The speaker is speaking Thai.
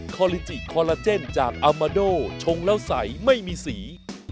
คอลิจิคอลลาเจนจากอามาโดชงแล้วใสไม่มีสี